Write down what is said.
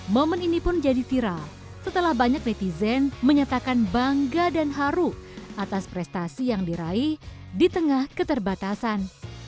momen ini pun jadi viral setelah banyak netizen menyatakan bangga dan haru atas prestasi yang diraih di tengah keterbatasan